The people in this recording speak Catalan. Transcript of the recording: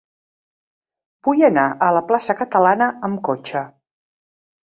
Vull anar a la plaça Catalana amb cotxe.